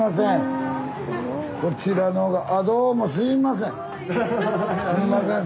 こちらのあどうもすいません。